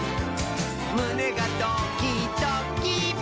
むねがドキドキ！」